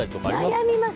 悩みます。